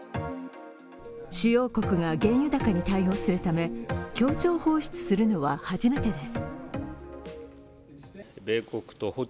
主要国が原油高に対応するため、協調放出するのは初めてです。